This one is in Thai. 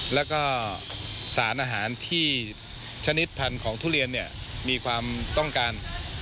และสารอาหารที่ชนิดพันธุเรียนมีความต้องการ